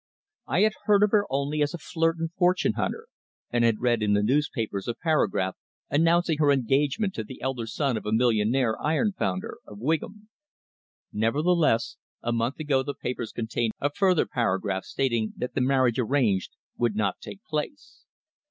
I had heard of her only as a flirt and fortune hunter, and had read in the newspapers a paragraph announcing her engagement to the elder son of a millionaire ironfounder of Wigan. Nevertheless, a month ago the papers contained a further paragraph stating that the marriage arranged "would not take place."